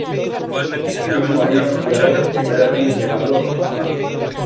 Ese mismo año graba su primer álbum llamado "Ámame".